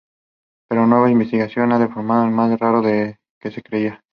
Pero nuevas investigaciones han demostrado que es más raro de lo que se creía.